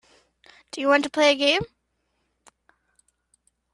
Do you want to play a game.